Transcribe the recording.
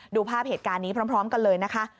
ดูภาพเหตุการณ์นี้พร้อมกันเลยนะคะ